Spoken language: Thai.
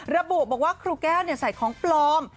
ระบุบอกว่าครูแก้วใส่ของปลอม